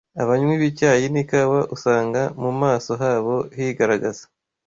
Abanywi b’icyayi n’ikawa usanga mu maso habo higaragaza.